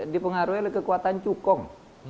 dipengaruhi oleh kekuatan cukong